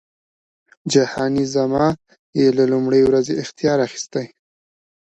جهانی زما یې له لومړۍ ورځی اختیار اخیستی